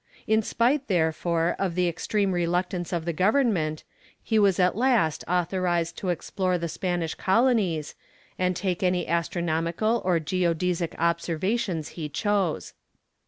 In spite, therefore, of the extreme reluctance of the government, he was at last authorized to explore the Spanish colonies, and take any astronomical or geodesic observations he chose.